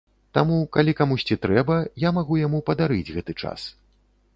Таму калі камусьці трэба, я магу яму падарыць гэты час.